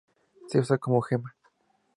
Se usa como gema.